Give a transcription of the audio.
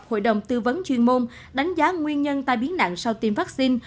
hội đồng tư vấn chuyên môn đánh giá nguyên nhân tai biến nặng sau tiêm vaccine